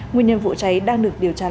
nguyên nhân vụ cháy đang được điều tra làm rõ